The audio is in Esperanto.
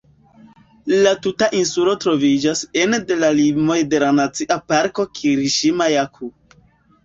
La tuta insulo troviĝas ene de la limoj de la Nacia Parko "Kiriŝima-Jaku".